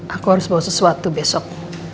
aku harus bawa sesuatu besok